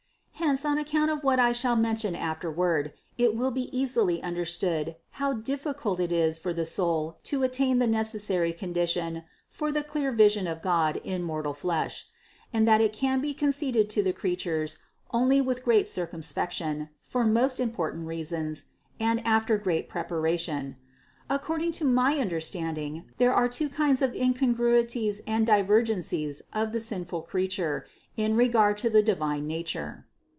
Hence, on account of what I shall mention af terward, it will be easily understood, how difficult it is for the soul to attain the necessary condition for the clear vision of God in mortal flesh ; and that it can be conceded to the creatures only with great circumspection, for most important reasons, and after great preparation. Accord ing to my understanding there are two kind of incon gruities and divergencies of the sinful creature in regard to the divine nature.